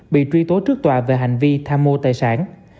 bị truy tố trước tòa về hành vi tham mô tài sản